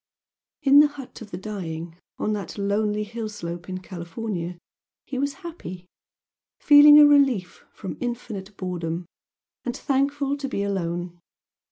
In the "hut of the dying" on that lonely hill slope in California he was happy, feeling a relief from infinite boredom, and thankful to be alone.